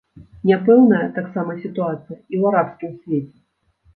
Няпэўная таксама сітуацыя і ў арабскім свеце.